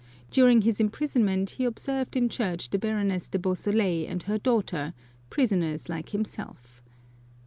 During his imprisonment he ob served in church the Baroness de Beausoleil and her daughter, prisoners like himself.